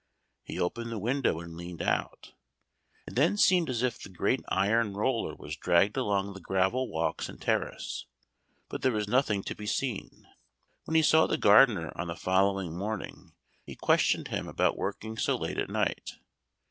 He opened the window and leaned out. It then seemed as if the great iron roller was dragged along the gravel walks and terrace, but there was nothing to be seen. When he saw the gardener on the following morning, he questioned him about working so late at night.